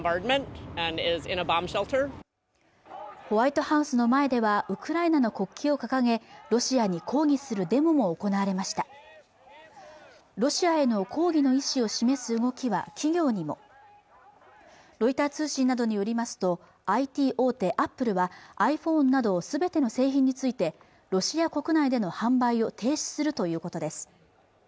ホワイトハウスの前ではウクライナの国旗を掲げロシアに抗議するデモも行われましたロシアへの抗議の意思を示す動きは企業にもロイター通信などによりますとＩＴ大手アップルはｉＰｈｏｎｅなど全ての製品についてロシア国内での販売を停止するということです